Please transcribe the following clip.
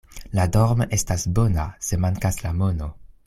La dorm' estas bona, se mankas la mono.